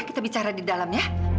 kita bicara di dalam ya